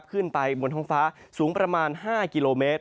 ขึ้นไปบนท้องฟ้าสูงประมาณ๕กิโลเมตร